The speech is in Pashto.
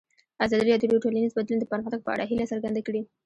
ازادي راډیو د ټولنیز بدلون د پرمختګ په اړه هیله څرګنده کړې.